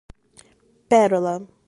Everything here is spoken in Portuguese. Pérola